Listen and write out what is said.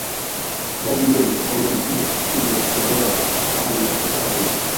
idadi hiyo ni tofauti na ile iliyotolewa awali na idara hiyo